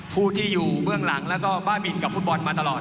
ผู้ที่อยู่เบื้องหลังแล้วก็บ้าบินกับฟุตบอลมาตลอด